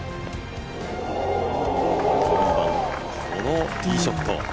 このティーショット。